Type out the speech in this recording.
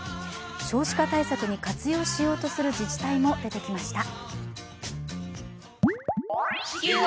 少子化対策に活用しようとする自治体も出てきました。